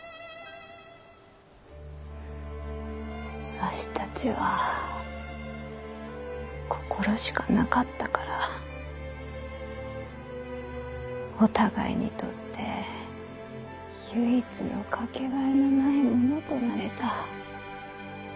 わしたちは心しかなかったからお互いにとって唯一のかけがえのない者となれた。